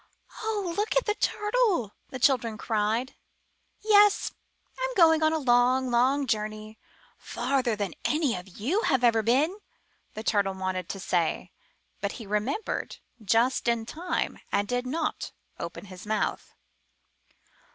0h, look at the Turtle!*' the children cried. *'Yes, Fm going on a long, long journey, farther than any of you have ever been!'' the Turtle wanted to say, but he remembered just in time and did not open his mouth.